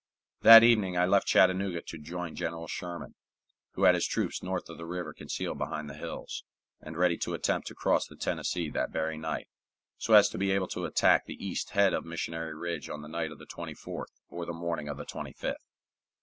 That evening I left Chattanooga to join General Sherman, who had his troops north of the river concealed behind the hills, and ready to attempt to cross the Tennessee that very night, so as to be able to attack the east head of Missionary Ridge on the night of the 24th or the morning of the 25th.